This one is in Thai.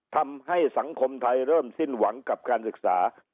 ทำให้สังคมไทยเริ่มสิ้นหวังกับการศึกษา